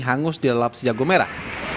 hangus di lelap sejago merah